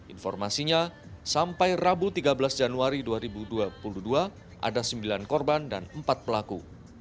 informasinya sampai rabu tiga belas januari dua ribu dua puluh dua ada sembilan korban dan empat pelaku